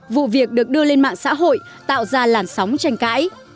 vụ việc được đưa lên mạng xã hội tạo ra làn sóng tranh cãi